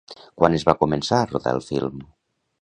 Quan es va començar a rodar el film?